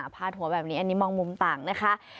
พาดหัวแบบนี้อันนี้มองมุมต่างนะคะ